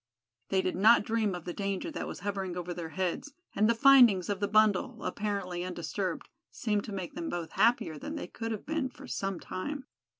They did not dream of the danger that was hovering over their heads; and the finding of the bundle, apparently undisturbed, seemed to make them both happier than they could have been for some time.